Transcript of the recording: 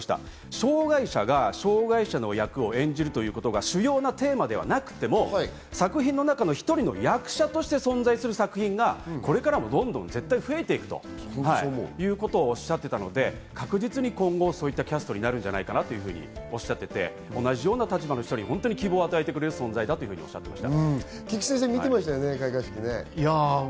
障害者が障害者の役を演じるということが主要なテーマではなくても作品の中の１人の役者として存在する作品がこれからもどんどん絶対増えてくるということをおっしゃっていたので、確実にそういったキャストに今後、なるんじゃないかなとおっしゃっていて、同じような立場の人に希望を与えてくれる存在だとおっしゃってました。